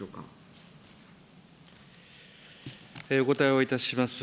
お答えをいたします。